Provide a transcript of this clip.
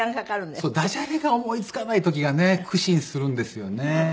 ダジャレが思い付かない時がね苦心するんですよね。